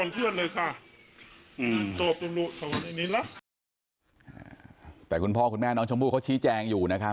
แต่คุณพ่อคุณแม่น้องชมพู่เขาชี้แจงอยู่นะครับ